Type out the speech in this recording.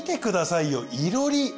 いろり。